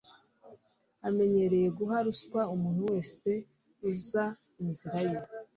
Amenyereye guha ruswa umuntu wese uza inzira ye